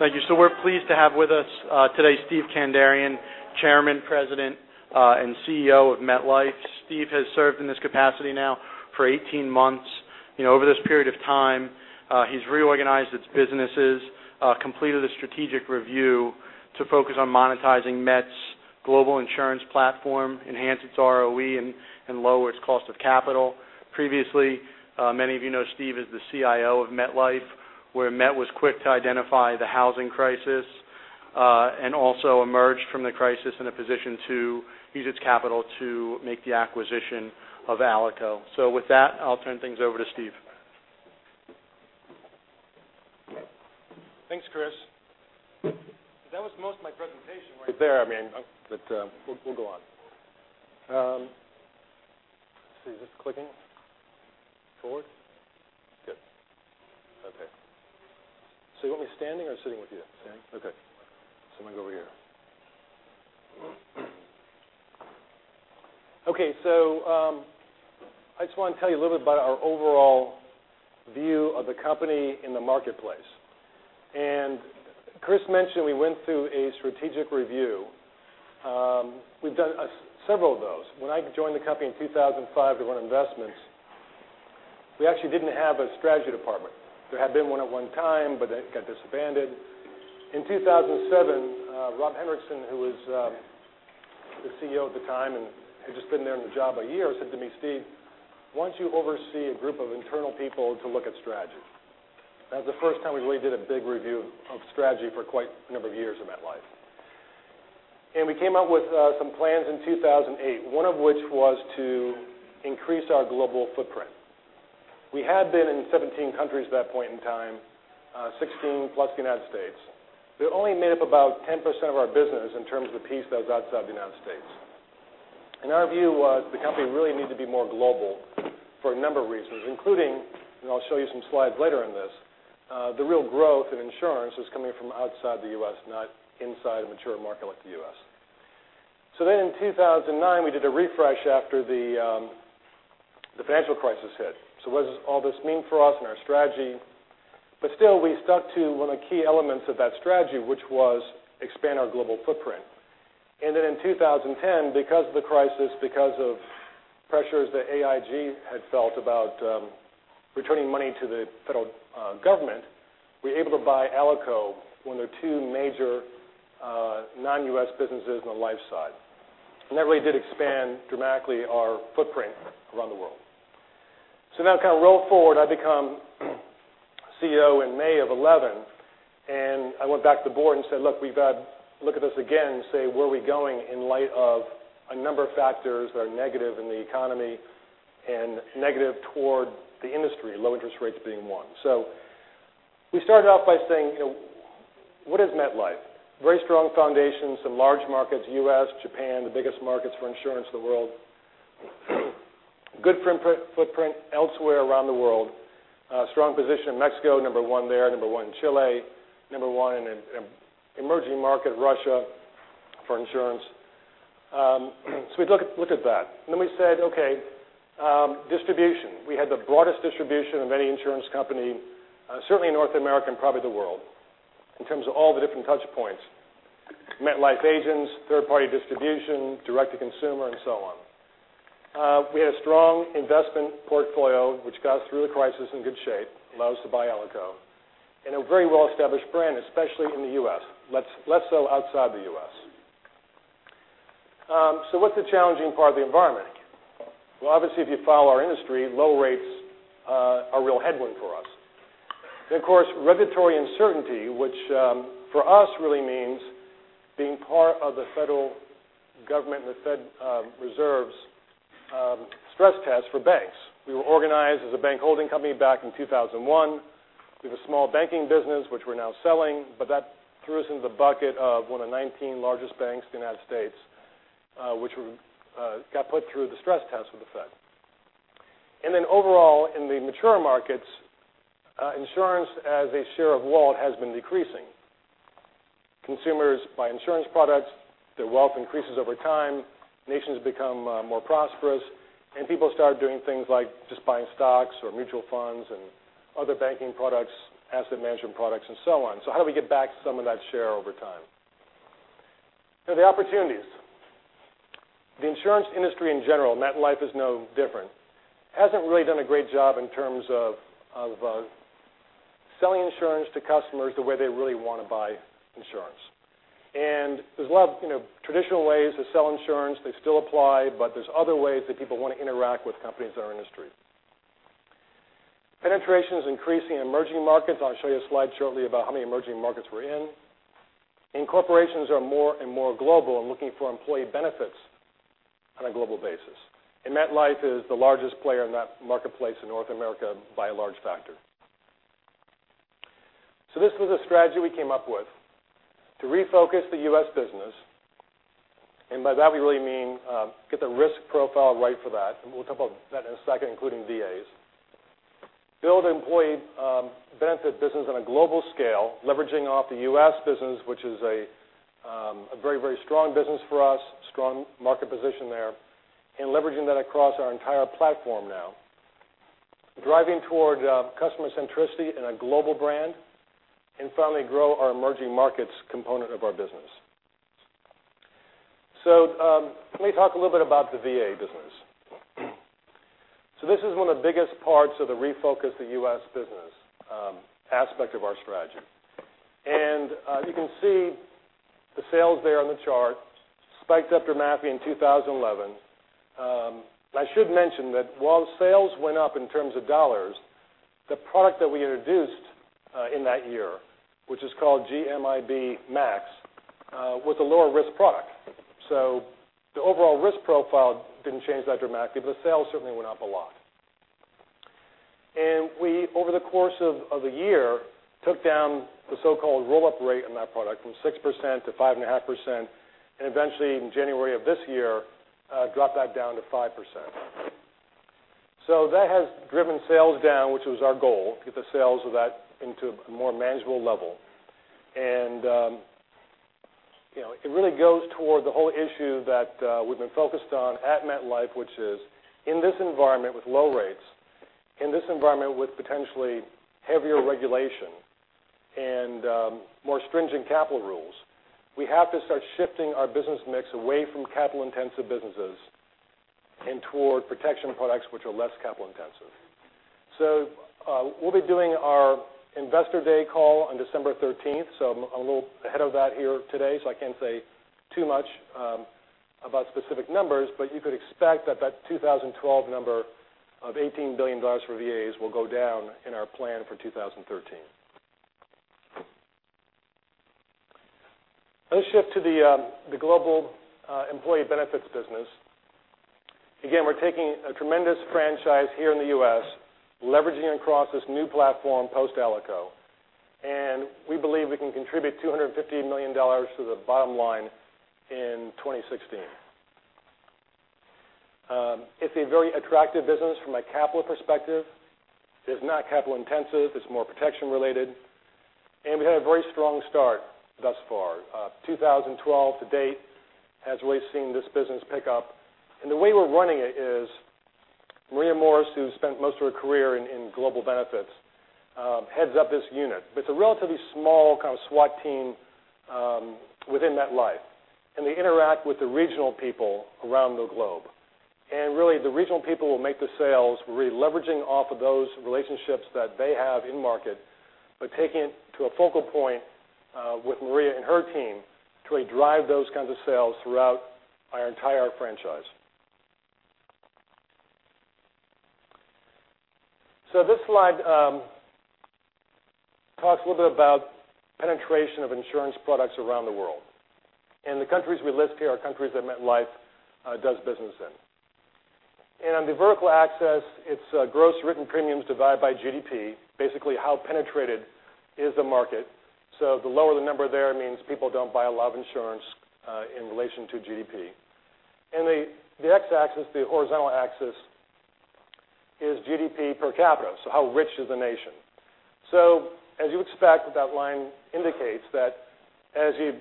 Thank you. We are pleased to have with us today Steve Kandarian, Chairman, President, and CEO of MetLife. Steve has served in this capacity now for 18 months. Over this period of time, he has reorganized its businesses, completed a strategic review to focus on monetizing Met's global insurance platform, enhance its ROE, and lower its cost of capital. Previously, many of you know Steve as the CIO of MetLife, where Met was quick to identify the housing crisis, and also emerged from the crisis in a position to use its capital to make the acquisition of Alico. With that, I will turn things over to Steve. Thanks, Chris. That was most of my presentation right there. We will go on. Let's see. Is this clicking? Forward? Good. Okay. You want me standing or sitting with you? Standing. Okay. I am going to go over here. Okay, I just want to tell you a little bit about our overall view of the company in the marketplace. Chris mentioned we went through a strategic review. We have done several of those. When I joined the company in 2005 to run investments, we actually did not have a strategy department. There had been one at one time, but that got disbanded. In 2007, Rob Henrikson, who was the CEO at the time and had just been there on the job a year, said to me, "Steve, why don't you oversee a group of internal people to look at strategy?" That was the first time we really did a big review of strategy for quite a number of years at MetLife. We came out with some plans in 2008, one of which was to increase our global footprint. We had been in 17 countries at that point in time, 16 plus the United States. They only made up about 10% of our business in terms of the piece that was outside the United States. Our view was the company really needed to be more global for a number of reasons, including, I will show you some slides later on this, the real growth in insurance was coming from outside the U.S., not inside a mature market like the U.S. In 2009, we did a refresh after the financial crisis hit. What does all this mean for us and our strategy? Still, we stuck to one of the key elements of that strategy, which was expand our global footprint. In 2010, because of the crisis, because of pressures that AIG had felt about returning money to the federal government, we were able to buy Alico, one of the two major non-U.S. businesses on the life side. That really did expand dramatically our footprint around the world. Now kind of roll forward, I become CEO in May of 2011, I went back to the board and said, "Look, we've got to look at this again and say, where are we going in light of a number of factors that are negative in the economy and negative toward the industry," low interest rates being one. We started off by saying, what is MetLife? Very strong foundation, some large markets, U.S., Japan, the biggest markets for insurance in the world. Good footprint elsewhere around the world. Strong position in Mexico, number one there, number one in Chile, number one in an emerging market, Russia, for insurance. We looked at that. We said, okay, distribution. We had the broadest distribution of any insurance company, certainly in North America and probably the world, in terms of all the different touch points, MetLife agents, third-party distribution, direct-to-consumer, and so on. We had a strong investment portfolio, which got us through the crisis in good shape, allowed us to buy Alico, and a very well-established brand, especially in the U.S., less so outside the U.S. What's the challenging part of the environment? Obviously, if you follow our industry, low rates are a real headwind for us. Of course, regulatory uncertainty, which for us really means being part of the federal government and the Fed Reserve's stress tests for banks. We were organized as a bank holding company back in 2001. We have a small banking business, which we're now selling, but that threw us into the bucket of one of 19 largest banks in the United States, which got put through the stress test with the Fed. Overall, in the mature markets, insurance as a share of wallet has been decreasing. Consumers buy insurance products, their wealth increases over time, nations become more prosperous, people start doing things like just buying stocks or mutual funds and other banking products, asset management products, and so on. How do we get back some of that share over time? Now the opportunities. The insurance industry in general, MetLife is no different, hasn't really done a great job in terms of selling insurance to customers the way they really want to buy insurance. There's a lot of traditional ways to sell insurance. They still apply, but there's other ways that people want to interact with companies in our industry. Penetration is increasing in emerging markets. I'll show you a slide shortly about how many emerging markets we're in. Corporations are more and more global and looking for employee benefits on a global basis. MetLife is the largest player in that marketplace in North America by a large factor. This was a strategy we came up with to refocus the U.S. business, by that we really mean get the risk profile right for that, we'll talk about that in a second, including VAs. Build employee benefit business on a global scale, leveraging off the U.S. business, which is a very strong business for us, strong market position there, leveraging that across our entire platform now. Finally, grow our emerging markets component of our business. Let me talk a little bit about the VA business. This is one of the biggest parts of the refocus the U.S. business aspect of our strategy. You can see the sales there on the chart spiked up dramatically in 2011. I should mention that while sales went up in terms of $, the product that we introduced in that year, which is called GMIB Max, was a lower-risk product. The overall risk profile didn't change that dramatically, but sales certainly went up a lot. We, over the course of the year, took down the so-called roll-up rate on that product from 6%-5.5%, and eventually, in January of this year, dropped that down to 5%. That has driven sales down, which was our goal, get the sales of that into a more manageable level. It really goes toward the whole issue that we've been focused on at MetLife, which is in this environment with low rates, in this environment with potentially heavier regulation and more stringent capital rules, we have to start shifting our business mix away from capital-intensive businesses and toward protection products which are less capital intensive. We'll be doing our investor day call on December 13th, so I'm a little ahead of that here today, so I can't say too much about specific numbers, but you could expect that that 2012 number of $18 billion for VAs will go down in our plan for 2013. Let me shift to the global employee benefits business. Again, we're taking a tremendous franchise here in the U.S., leveraging it across this new platform, post-Alico, We believe we can contribute $250 million to the bottom line in 2016. It's a very attractive business from a capital perspective. It is not capital intensive, it's more protection related, We had a very strong start thus far. 2012 to date has really seen this business pick up, and the way we're running it is Maria Morris, who spent most of her career in global benefits, heads up this unit. It's a relatively small kind of SWAT team within MetLife, and they interact with the regional people around the globe. Really, the regional people will make the sales, really leveraging off of those relationships that they have in-market, taking it to a focal point with Maria and her team to really drive those kinds of sales throughout our entire franchise. This slide talks a little bit about penetration of insurance products around the world, and the countries we list here are countries that MetLife does business in. On the vertical axis, it's gross written premiums divided by GDP, basically how penetrated is the market. The lower the number there means people don't buy a lot of insurance in relation to GDP. The x-axis, the horizontal axis, is GDP per capita, so how rich is the nation. As you expect, that line indicates that as you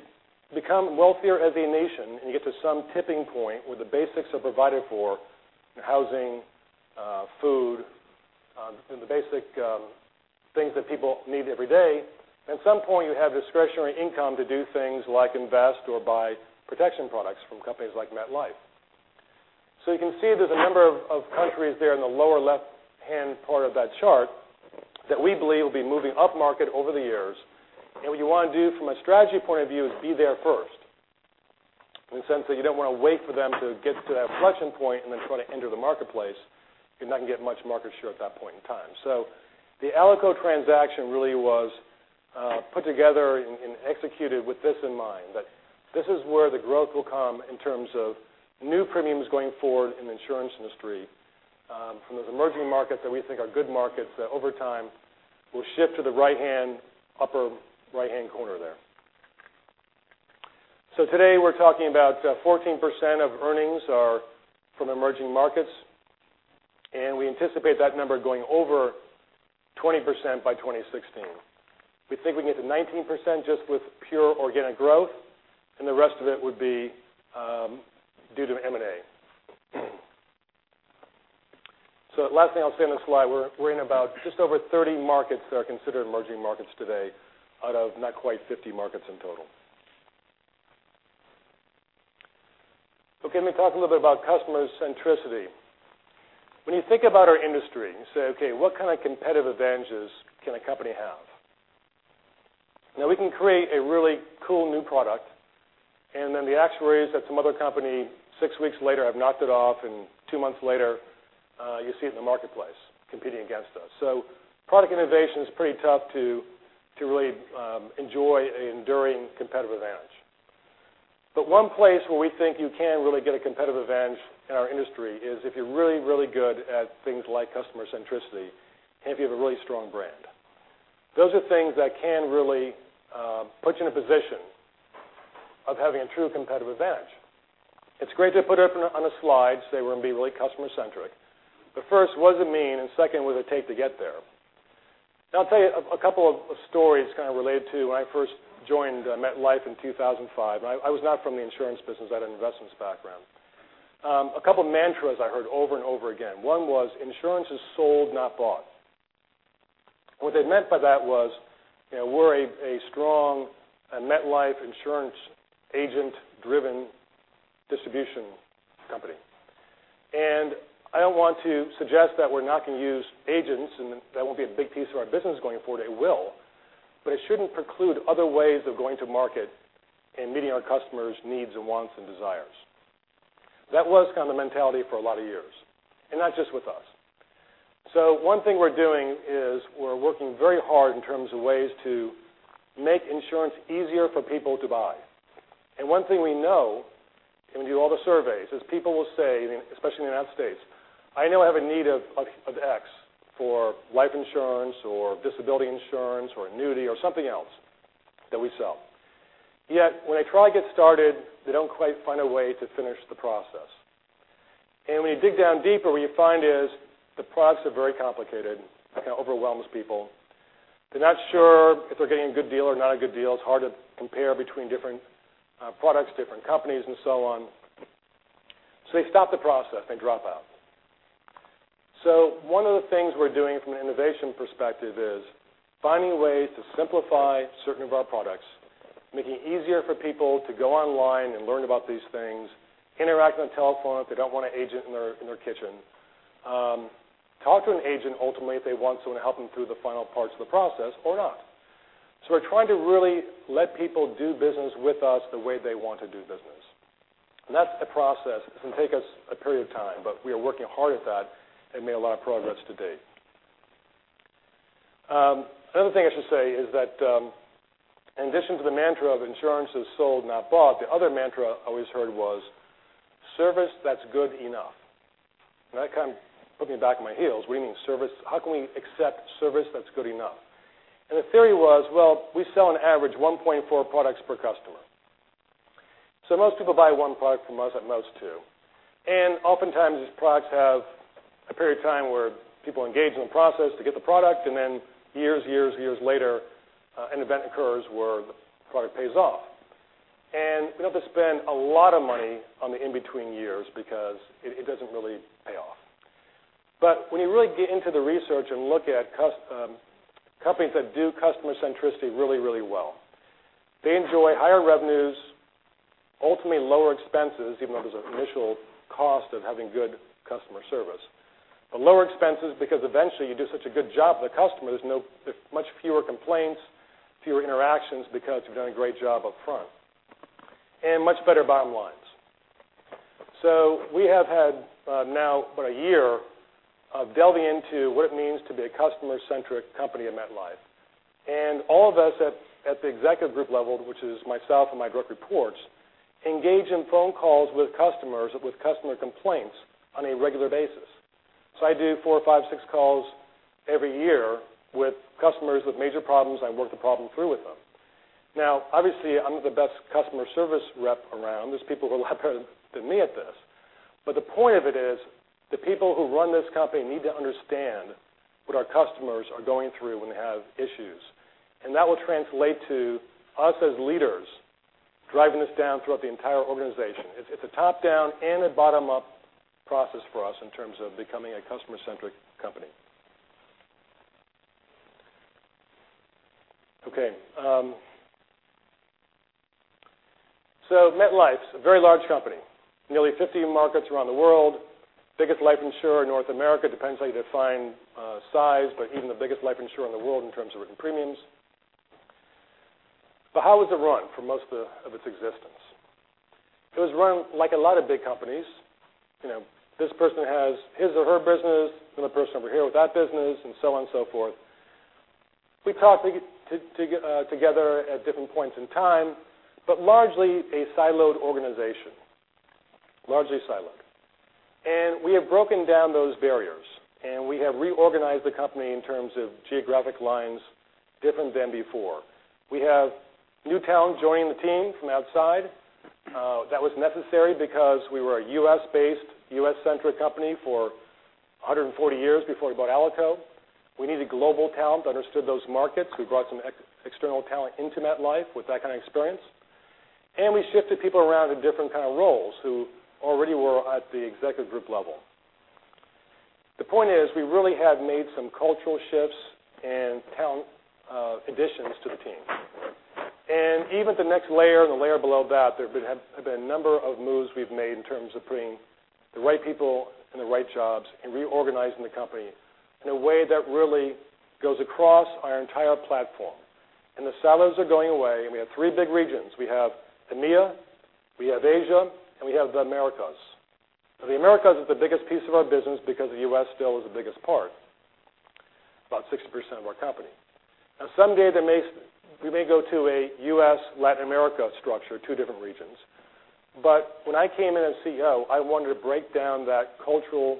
become wealthier as a nation and you get to some tipping point where the basics are provided for, housing, food, and the basic things that people need every day, at some point, you have discretionary income to do things like invest or buy protection products from companies like MetLife. You can see there's a number of countries there in the lower left-hand part of that chart that we believe will be moving up market over the years. What you want to do from a strategy point of view is be there first in the sense that you don't want to wait for them to get to that inflection point and then try to enter the marketplace. You're not going to get much market share at that point in time. The Alico transaction really was put together and executed with this in mind, that this is where the growth will come in terms of new premiums going forward in the insurance industry from those emerging markets that we think are good markets that over time will shift to the right-hand upper right-hand corner there. Today, we're talking about 14% of earnings are from emerging markets, we anticipate that number going over 20% by 2016. We think we can get to 19% just with pure organic growth, the rest of it would be due to M&A. Last thing I'll say on this slide, we're in about just over 30 markets that are considered emerging markets today out of not quite 50 markets in total. Let me talk a little bit about customer centricity. When you think about our industry and you say, "What kind of competitive advantages can a company have?" Now we can create a really cool new product, then the actuaries at some other company six weeks later have knocked it off, two months later, you see it in the marketplace competing against us. Product innovation is pretty tough to really enjoy an enduring competitive advantage. One place where we think you can really get a competitive advantage in our industry is if you're really, really good at things like customer centricity if you have a really strong brand. Those are things that can really put you in a position of having a true competitive advantage. It's great to put it up on a slide, say we're going to be really customer centric, first, what does it mean? Second, what does it take to get there? I'll tell you a couple of stories kind of related to when I first joined MetLife in 2005, I was not from the insurance business. I had an investments background. A couple of mantras I heard over and over again. One was, insurance is sold, not bought. What they meant by that was we're a strong MetLife insurance agent-driven distribution company. I don't want to suggest that we're not going to use agents, that won't be a big piece of our business going forward. It will. It shouldn't preclude other ways of going to market and meeting our customers' needs and wants and desires. That was kind of the mentality for a lot of years, not just with us. One thing we're doing is we're working very hard in terms of ways to make insurance easier for people to buy. One thing we know, and we do all the surveys, is people will say, especially in the U.S., "I know I have a need of X for life insurance or disability insurance or annuity or something else that we sell." Yet when they try to get started, they don't quite find a way to finish the process. When you dig down deeper, what you find is the products are very complicated, it kind of overwhelms people. They're not sure if they're getting a good deal or not a good deal. It's hard to compare between different products, different companies, and so on. They stop the process. They drop out. One of the things we're doing from an innovation perspective is finding ways to simplify certain of our products, making it easier for people to go online and learn about these things, interact on the telephone if they don't want an agent in their kitchen, talk to an agent ultimately if they want someone to help them through the final parts of the process or not. We're trying to really let people do business with us the way they want to do business. That's a process. It's going to take us a period of time, but we are working hard at that and made a lot of progress to date. Another thing I should say is that, in addition to the mantra of insurance is sold, not bought, the other mantra I always heard was, service that's good enough. That kind of put me back on my heels. What do you mean service? How can we accept service that's good enough? The theory was, well, we sell on average 1.4 products per customer. Most people buy one product from us, at most two. Oftentimes, these products have a period of time where people engage in a process to get the product, and then years, years later, an event occurs where the product pays off. We don't have to spend a lot of money on the in-between years because it doesn't really pay off. When you really get into the research and look at companies that do customer centricity really, really well, they enjoy higher revenues, ultimately lower expenses, even though there's an initial cost of having good customer service. Lower expenses because eventually you do such a good job for the customer, there's much fewer complaints, fewer interactions because you've done a great job up front, and much better bottom lines. We have had now but a year of delving into what it means to be a customer-centric company at MetLife. All of us at the executive group level, which is myself and my direct reports, engage in phone calls with customers with customer complaints on a regular basis. I do four, five, six calls every year with customers with major problems. I work the problem through with them. Now, obviously, I'm not the best customer service rep around. There's people who are a lot better than me at this. The point of it is, the people who run this company need to understand what our customers are going through when they have issues. That will translate to us as leaders driving this down throughout the entire organization. It's a top-down and a bottom-up process for us in terms of becoming a customer-centric company. MetLife is a very large company, nearly 50 markets around the world. Biggest life insurer in North America, depends how you define size, but even the biggest life insurer in the world in terms of written premiums. How was it run for most of its existence? It was run like a lot of big companies. This person has his or her business, another person over here with that business, and so on and so forth. We talk together at different points in time, but largely a siloed organization. Largely siloed. We have broken down those barriers, and we have reorganized the company in terms of geographic lines different than before. We have new talent joining the team from outside. That was necessary because we were a U.S.-based, U.S.-centric company for 140 years before we bought Alico. We needed global talent that understood those markets. We brought some external talent into MetLife with that kind of experience. We shifted people around in different kind of roles who already were at the executive group level. The point is, we really have made some cultural shifts and talent additions to the team. Even the next layer and the layer below that, there have been a number of moves we've made in terms of putting the right people in the right jobs and reorganizing the company in a way that really goes across our entire platform. The silos are going away, and we have three big regions. We have EMEA, we have Asia, and we have the Americas. The Americas is the biggest piece of our business because the U.S. still is the biggest part. About 60% of our company. Someday, we may go to a U.S., Latin America structure, two different regions. When I came in as CEO, I wanted to break down that cultural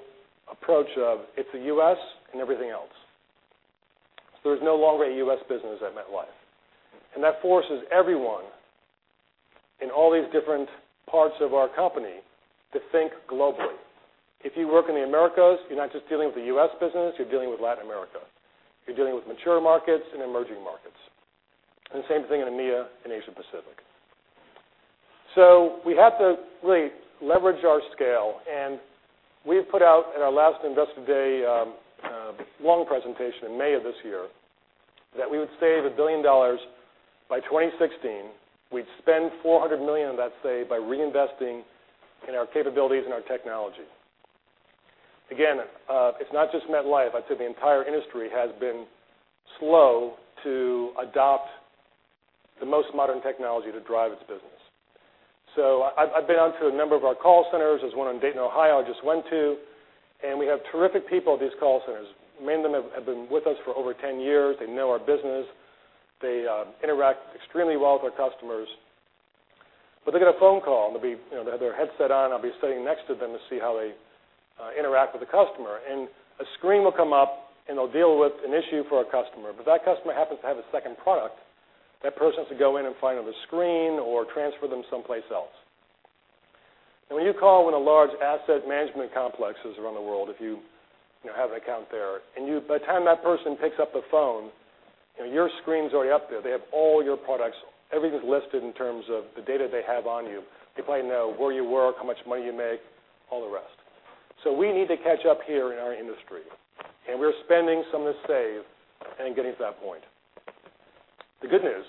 approach of it's the U.S. and everything else. There's no longer a U.S. business at MetLife. That forces everyone In all these different parts of our company to think globally. If you work in the Americas, you're not just dealing with the U.S. business, you're dealing with Latin America. You're dealing with mature markets and emerging markets. Same thing in EMEA and Asia Pacific. We have to really leverage our scale, and we've put out in our last Investor Day long presentation in May of this year that we would save $1 billion by 2016. We'd spend $400 million of that save by reinvesting in our capabilities and our technology. Again, it's not just MetLife. I'd say the entire industry has been slow to adopt the most modern technology to drive its business. I've been onto a number of our call centers. There's one in Dayton, Ohio, I just went to, and we have terrific people at these call centers. Many of them have been with us for over 10 years. They know our business. They interact extremely well with our customers. They'll get a phone call, and they'll have their headset on, I'll be sitting next to them to see how they interact with the customer. A screen will come up, and they'll deal with an issue for a customer. If that customer happens to have a second product, that person has to go in and find another screen or transfer them someplace else. When you call one of the large asset management complexes around the world, if you have an account there, and by the time that person picks up the phone, your screen's already up there. They have all your products, everything's listed in terms of the data they have on you. They probably know where you work, how much money you make, all the rest. We need to catch up here in our industry, and we're spending some of the save in getting to that point. The good news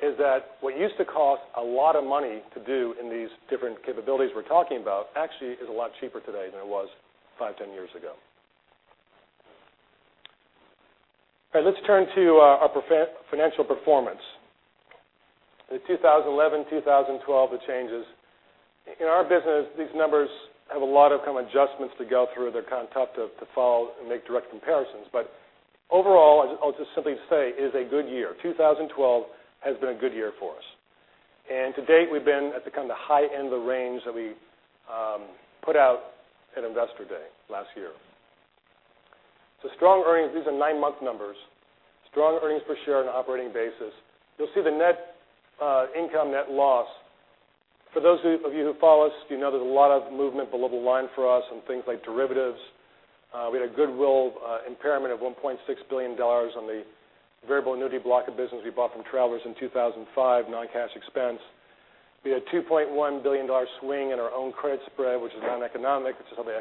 is that what used to cost a lot of money to do in these different capabilities we're talking about actually is a lot cheaper today than it was 5, 10 years ago. Let's turn to our financial performance. The 2011, 2012, the changes. In our business, these numbers have a lot of kind of adjustments to go through. They're kind of tough to follow and make direct comparisons. Overall, I'll just simply say, it is a good year. 2012 has been a good year for us. To date, we've been at the kind of the high end of the range that we put out at Investor Day last year. Strong earnings. These are nine-month numbers. Strong earnings per share on an operating basis. You'll see the net income, net loss. For those of you who follow us, you know there's a lot of movement below the line for us on things like derivatives. We had a goodwill impairment of $1.6 billion on the variable annuity block of business we bought from Travelers in 2005, non-cash expense. We had a $2.1 billion swing in our own credit spread, which is non-economic. It's just how the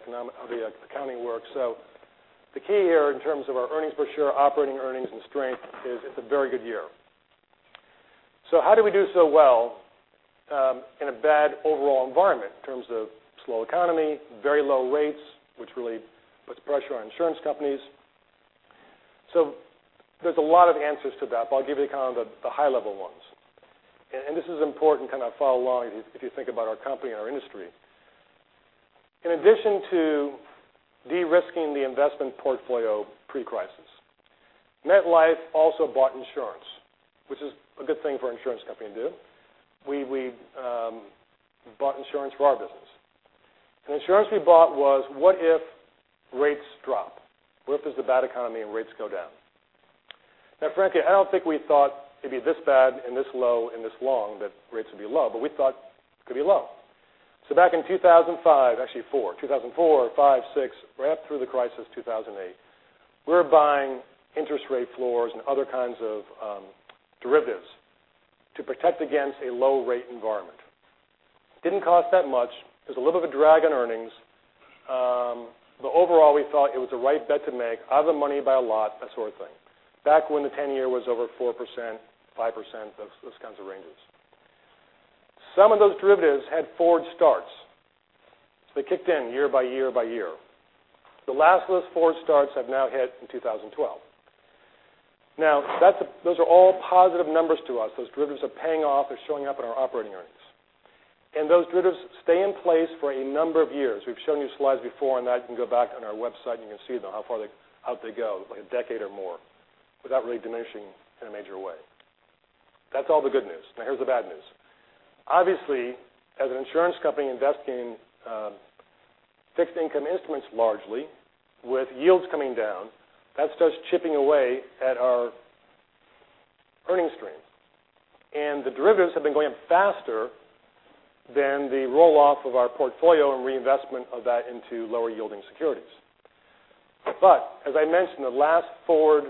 accounting works. The key here in terms of our earnings per share, operating earnings, and strength is it's a very good year. How did we do so well in a bad overall environment in terms of slow economy, very low rates, which really puts pressure on insurance companies? There's a lot of answers to that, but I'll give you kind of the high-level ones. This is important kind of to follow along if you think about our company and our industry. In addition to de-risking the investment portfolio pre-crisis, MetLife also bought insurance, which is a good thing for an insurance company to do. We bought insurance for our business. The insurance we bought was, what if rates drop? What if there's a bad economy and rates go down? Frankly, I don't think we thought it'd be this bad and this low and this long that rates would be low, but we thought it could be low. Back in 2005, actually 2004, 2005, 2006, right up through the crisis of 2008, we were buying interest rate floors and other kinds of derivatives to protect against a low-rate environment. Didn't cost that much. It was a little bit of a drag on earnings. Overall, we thought it was the right bet to make. Out of the money by a lot, that sort of thing. Back when the 10-year was over 4%, 5%, those kinds of ranges. Some of those derivatives had forward starts, so they kicked in year by year by year. The last of those forward starts have now hit in 2012. Those are all positive numbers to us. Those derivatives are paying off. They're showing up in our operating earnings. Those derivatives stay in place for a number of years. We've shown you slides before on that. You can go back on our website, and you can see how far out they go, like a decade or more, without really diminishing in a major way. That's all the good news. Here's the bad news. Obviously, as an insurance company investing in fixed income instruments largely, with yields coming down, that starts chipping away at our earnings stream. The derivatives have been going up faster than the roll-off of our portfolio and reinvestment of that into lower-yielding securities. As I mentioned, the last forward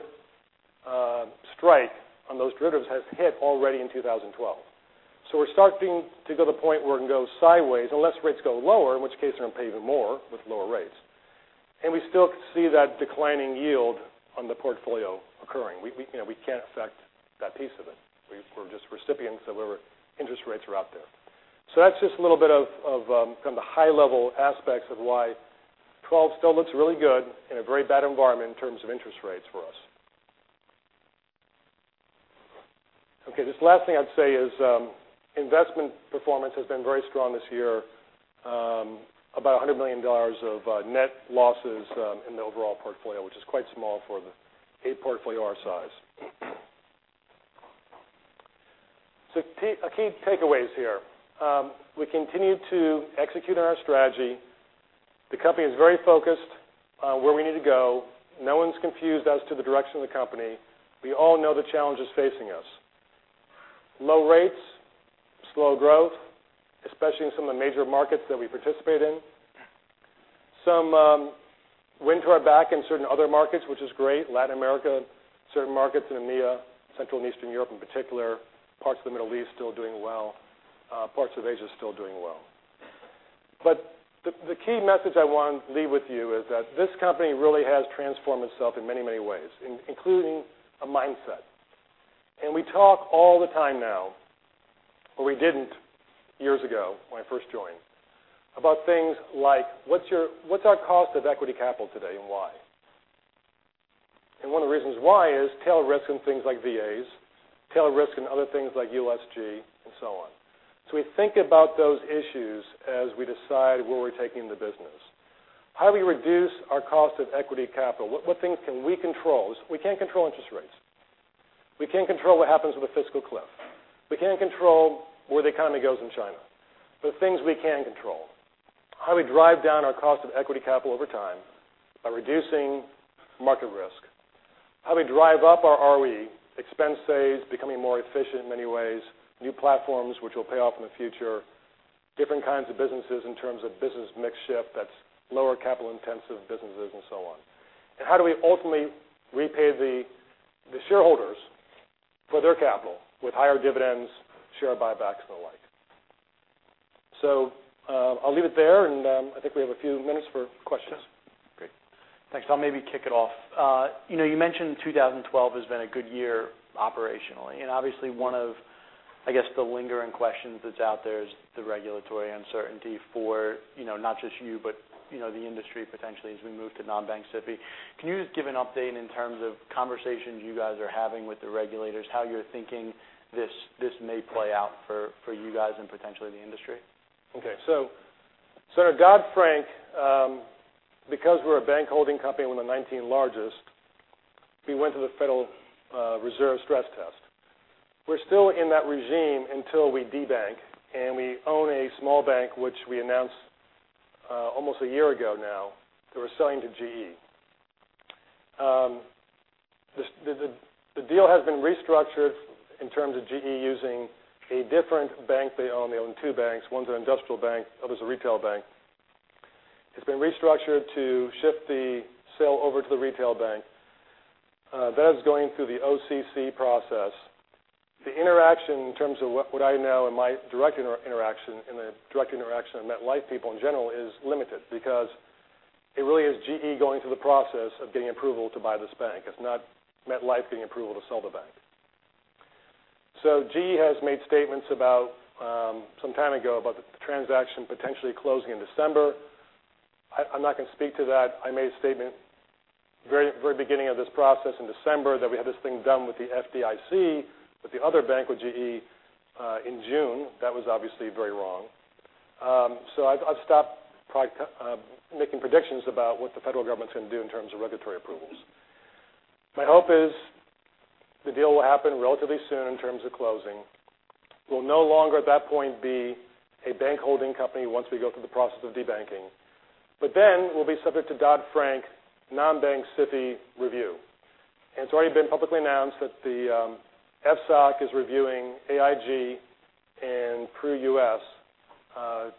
strike on those derivatives has hit already in 2012. We're starting to go to the point where it can go sideways unless rates go lower, in which case we're going to pay even more with lower rates. We still see that declining yield on the portfolio occurring. We can't affect that piece of it. We're just recipients of whatever interest rates are out there. That's just a little bit of kind of the high-level aspects of why 2012 still looks really good in a very bad environment in terms of interest rates for us. This last thing I'd say is investment performance has been very strong this year. About $100 million of net losses in the overall portfolio, which is quite small for a portfolio our size. Key takeaways here. We continue to execute on our strategy. The company is very focused on where we need to go. No one's confused as to the direction of the company. We all know the challenges facing us. Low rates, slow growth, especially in some of the major markets that we participate in. Some wind to our back in certain other markets, which is great. Latin America, certain markets in EMEA, Central and Eastern Europe in particular, parts of the Middle East still doing well, parts of Asia still doing well. The key message I want to leave with you is that this company really has transformed itself in many, many ways, including a mindset. We talk all the time now, but we didn't years ago when I first joined, about things like what's our cost of equity capital today and why. One of the reasons why is tail risk in things like VAs, tail risk in other things like USG, and so on. We think about those issues as we decide where we're taking the business. How do we reduce our cost of equity capital? What things can we control? We can't control interest rates. We can't control what happens with the fiscal cliff. We can't control where the economy goes in China. Things we can control, how we drive down our cost of equity capital over time by reducing market risk. How do we drive up our ROE, expense saves, becoming more efficient in many ways, new platforms which will pay off in the future, different kinds of businesses in terms of business mix shift that's lower capital intensive businesses and so on. How do we ultimately repay the shareholders for their capital with higher dividends, share buybacks, and the like. I'll leave it there, and I think we have a few minutes for questions. Sure. Great. Thanks. I'll maybe kick it off. You mentioned 2012 has been a good year operationally. Obviously one of, I guess, the lingering questions that's out there is the regulatory uncertainty for not just you, but the industry potentially as we move to non-bank SIFI. Can you just give an update in terms of conversations you guys are having with the regulators, how you're thinking this may play out for you guys and potentially the industry? Okay. Under Dodd-Frank, because we're a bank holding company, one of the 19 largest, we went to the Federal Reserve stress test. We're still in that regime until we de-bank. We own a small bank, which we announced almost a year ago now that we're selling to GE. The deal has been restructured in terms of GE using a different bank they own. They own two banks. One's an industrial bank, the other's a retail bank. It's been restructured to shift the sale over to the retail bank. That is going through the OCC process. The interaction in terms of what I know in my direct interaction and the direct interaction of MetLife people in general is limited because it really is GE going through the process of getting approval to buy this bank. It's not MetLife getting approval to sell the bank. GE has made statements some time ago about the transaction potentially closing in December. I'm not going to speak to that. I made a statement very beginning of this process in December that we had this thing done with the FDIC, with the other bank with GE in June. That was obviously very wrong. I've stopped making predictions about what the federal government's going to do in terms of regulatory approvals. My hope is the deal will happen relatively soon in terms of closing. We'll no longer, at that point, be a bank holding company once we go through the process of de-banking. We'll be subject to Dodd-Frank non-bank SIFI review. It's already been publicly announced that the FSOC is reviewing AIG and Pru U.S.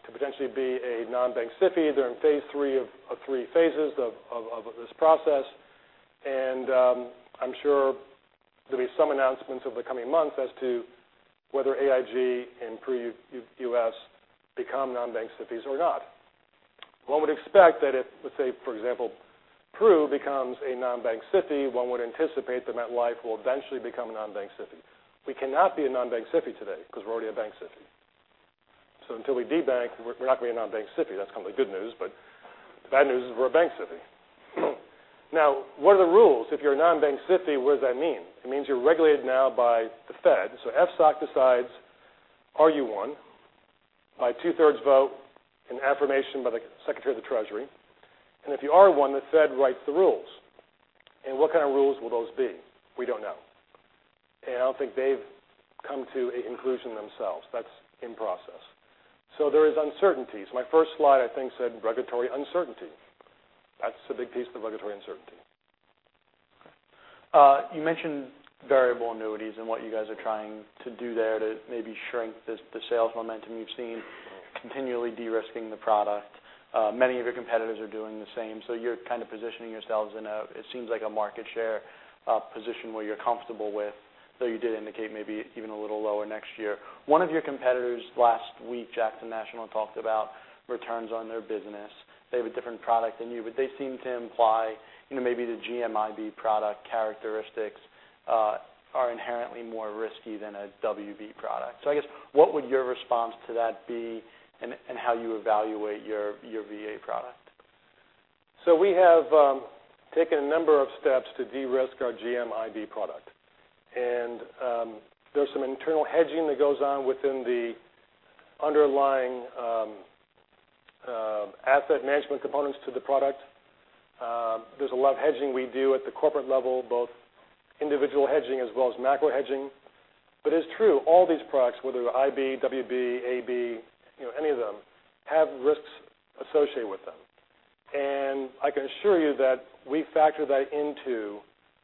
to potentially be a non-bank SIFI. They're in phase 3 of three phases of this process. I'm sure there'll be some announcements over the coming months as to whether AIG and Pru U.S. become non-bank SIFIs or not. One would expect that if, let's say, for example, Pru becomes a non-bank SIFI, one would anticipate that MetLife will eventually become a non-bank SIFI. We cannot be a non-bank SIFI today because we're already a bank SIFI. Until we de-bank, we're not going to be a non-bank SIFI. That's kind of the good news. The bad news is we're a bank SIFI. Now, what are the rules? If you're a non-bank SIFI, what does that mean? It means you're regulated now by the Fed. FSOC decides, are you one, by two-thirds vote and affirmation by the Secretary of the Treasury. If you are one, the Fed writes the rules. What kind of rules will those be? We don't know. I don't think they've come to a conclusion themselves. That's in process. There is uncertainties. My first slide, I think, said regulatory uncertainty. That's a big piece of regulatory uncertainty. Okay. You mentioned variable annuities and what you guys are trying to do there to maybe shrink the sales momentum you've seen, continually de-risking the product. Many of your competitors are doing the same, you're kind of positioning yourselves in, it seems like, a market share position where you're comfortable with, though you did indicate maybe even a little lower next year. One of your competitors last week, Jackson National, talked about returns on their business. They have a different product than you, but they seem to imply maybe the GMIB product characteristics are inherently more risky than a GMWB product. I guess, what would your response to that be and how you evaluate your VA product? We have taken a number of steps to de-risk our GMIB product. There's some internal hedging that goes on within the underlying asset management components to the product. There's a lot of hedging we do at the corporate level, both individual hedging as well as macro hedging. It's true, all these products, whether GMIB, WB, GMAB, any of them, have risks associated with them. I can assure you that we factor that into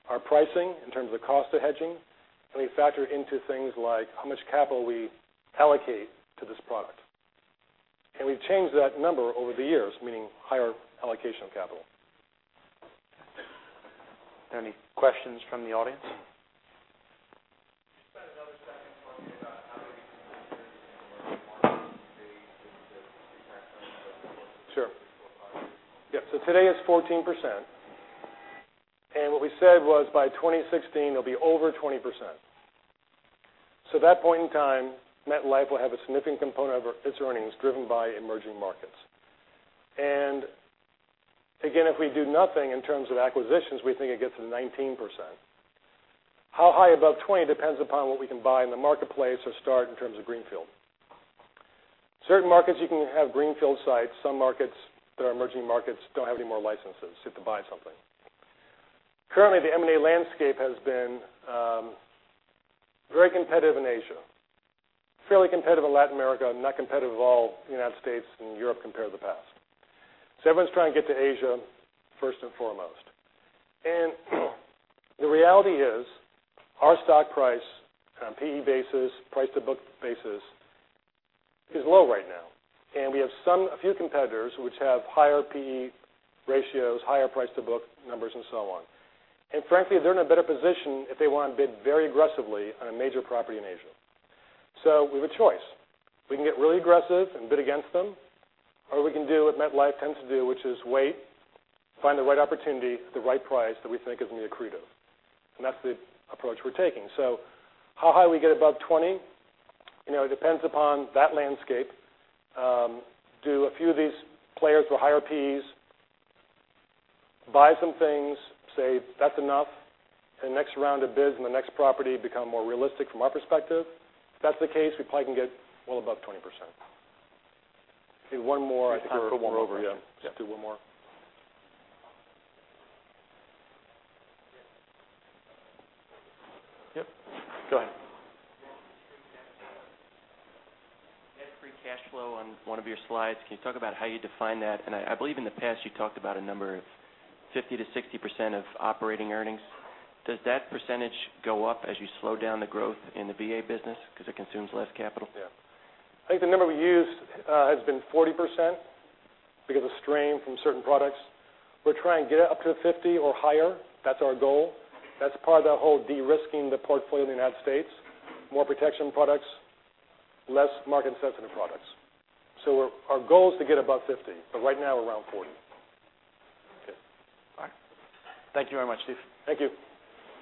our pricing in terms of the cost of hedging, and we factor into things like how much capital we allocate to this product. We've changed that number over the years, meaning higher allocation of capital. Any questions from the audience? Can you spend another second talking about how many % in emerging markets do you think that Sure. Yeah. Today it's 14%, and what we said was by 2016, it'll be over 20%. At that point in time, MetLife will have a significant component of its earnings driven by emerging markets. Again, if we do nothing in terms of acquisitions, we think it gets to 19%. How high above 20 depends upon what we can buy in the marketplace or start in terms of greenfield. Certain markets you can have greenfield sites. Some markets that are emerging markets don't have any more licenses. You have to buy something. Currently, the M&A landscape has been very competitive in Asia, fairly competitive in Latin America, not competitive at all in the U.S. and Europe compared to the past. Everyone's trying to get to Asia first and foremost. The reality is our stock price on a P/E basis, price to book basis, is low right now. We have a few competitors which have higher P/E ratios, higher price to book numbers and so on. Frankly, they're in a better position if they want to bid very aggressively on a major property in Asia. We have a choice. We can get really aggressive and bid against them, or we can do what MetLife tends to do, which is wait, find the right opportunity at the right price that we think is near accretive. That's the approach we're taking. How high we get above 20? It depends upon that landscape. Do a few of these players with higher P/Es buy some things, say that's enough? The next round of bids and the next property become more realistic from our perspective. If that's the case, we probably can get well above 20%. Okay, one more. I think we're over. Let's do one more. Yeah. Let's do one more. Yep, go ahead. Net free cash flow on one of your slides. Can you talk about how you define that? I believe in the past you talked about a number of 50%-60% of operating earnings. Does that percentage go up as you slow down the growth in the VA business because it consumes less capital? Yeah. I think the number we used has been 40% because of strain from certain products. We're trying to get it up to 50% or higher. That's our goal. That's part of that whole de-risking the portfolio in the U.S. More protection products, less market-sensitive products. Our goal is to get above 50%, but right now we're around 40%. Okay. Bye. Thank you very much, Steve. Thank you.